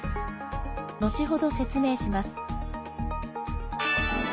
後ほど説明します。